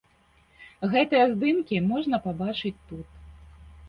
Гэтыя здымкі можна пабачыць тут.